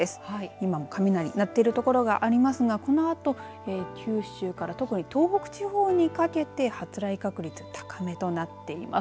今も雷鳴っている所がありますがこのあと九州から特に東北地方にかけて発雷確率、高めとなっています。